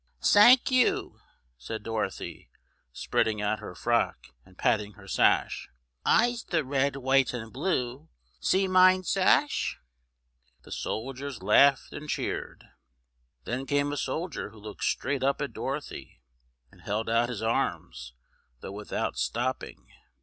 "Sank you!" said Dorothy, spreading out her frock and patting her sash. "I'se the red, white and blue! See mine sash!" The soldiers laughed and cheered. Then came a soldier who looked straight up at Dorothy, and held out his arms, though without stopping.